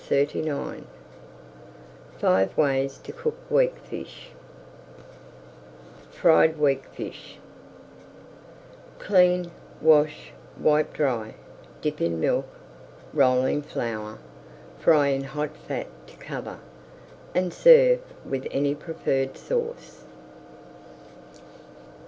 [Page 435] FIVE WAYS TO COOK WEAKFISH FRIED WEAKFISH Clean, wash, wipe dry, dip in milk, roll in flour, fry in hot fat to cover, and serve with any preferred sauce.